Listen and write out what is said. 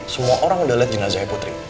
semua orang udah lihat jenazahnya putri